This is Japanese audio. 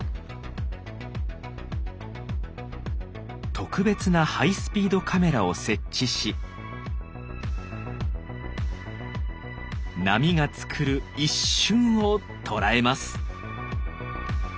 特別なハイスピードカメラを設置し波がつくる「一瞬」を捉えます。